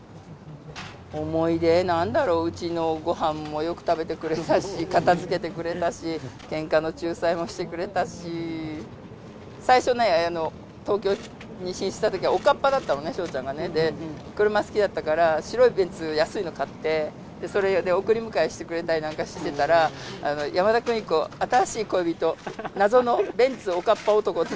思い出、なんだろう、うちのごはんもよく食べてくれてたし、片づけてくれたし、けんかの仲裁もしてくれたし、最初ね、東京に進出したときはおかっぱだったのね、笑ちゃんがね、車好きだったから、白いベンツ、安いの買って、それで送り迎えしてくれたりなんかしてたら、山田邦子、新しい恋人、謎のベンツおかっぱ男って。